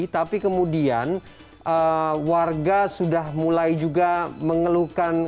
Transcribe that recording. tapi kemudian warga sudah mulai juga mengeluhkan